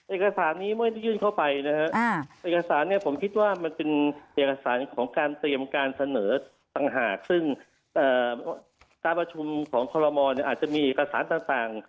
เอกสารนี้เมื่อได้ยื่นเข้าไปนะฮะเอกสารเนี่ยผมคิดว่ามันเป็นเอกสารของการเตรียมการเสนอต่างหากซึ่งการประชุมของคอลโมอาจจะมีเอกสารต่าง